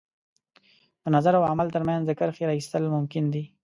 د نظر او عمل تر منځ د کرښې را ایستل ممکن دي.